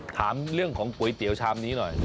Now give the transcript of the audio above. ถามเรื่องของก๋วยเตี๋ยวชามนี้หน่อย